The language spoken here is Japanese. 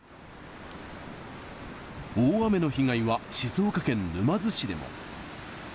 大雨の被害は、静岡県沼津市でも。